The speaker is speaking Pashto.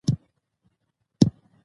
سیاسي رهبران باید حساب ورکوونکي وي